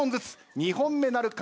２本目なるか？